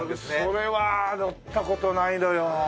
それは乗った事ないのよ。